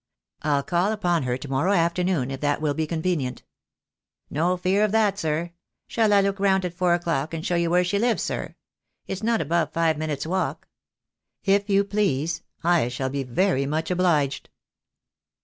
"I'll call upon her to morrow afternoon, if that will be convenient." "No fear of that, sir. Shall I look round at four o'clock and show you where she lives, sir? It's not above five minutes' walk." "If you please. I shall be very much obliged."